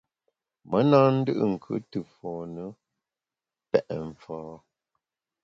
Me na ndù’nkùt te fone pèt mfâ.